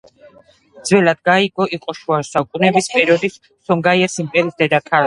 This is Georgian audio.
ძველად გაო იყო შუა საუკუნეების პერიოდის სონგაის იმპერიის დედაქალაქი.